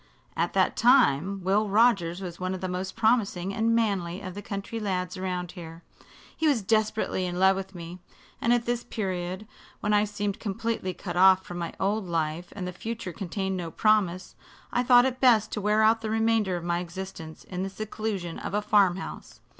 "At that time Will Rogers was one of the most promising and manly of the country lads around here. He was desperately in love with me, and at this period, when I seemed completely cut off from my old life and the future contained no promise, I thought it best to wear out the remainder of my existence in the seclusion of a farm house.